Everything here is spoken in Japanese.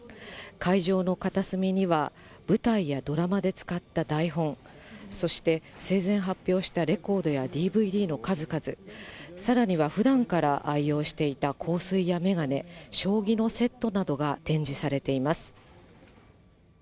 会場の片隅には、舞台やドラマで使った台本、そして生前発表したレコードやＤＶＤの数々、さらにはふだんから愛用していた香水や眼鏡、将棋のセットなどが展示されています。